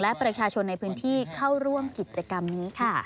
และประชาชนในพื้นที่เข้าร่วมกิจกรรมนี้ค่ะ